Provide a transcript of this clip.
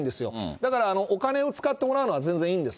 だから、お金を使ってもらうのは、全然いいんです。